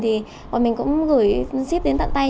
thì bọn mình cũng gửi ship đến tận tay